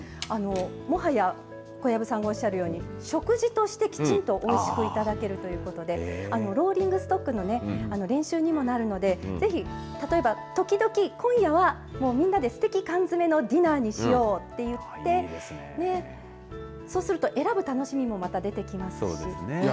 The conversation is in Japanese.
もはや小籔さんがおっしゃるように、食事としてきちんとおいしくいただけるということでローリングストックの練習にもなるのでぜひ、例えば時々、今夜はみんなですてき缶詰のディナーにしようと言ってそうすると選ぶ楽しみもまた出てきますし。